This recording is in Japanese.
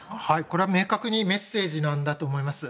これは明確にメッセージなんだと思います。